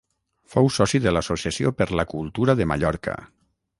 Fou soci de l’Associació per la Cultura de Mallorca.